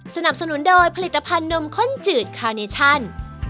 สนับสนุนโดยผลิตภัณฑ์นมข้นจืดคาเนชั่น